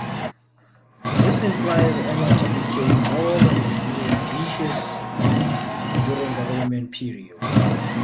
This implies Ceneta became more than a mere "vicus" during the Roman period.